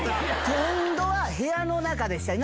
今度は部屋の中でしたい。